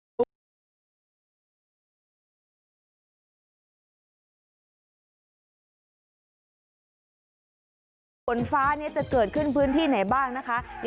โดยการติดต่อไปก็จะเกิดขึ้นการติดต่อไป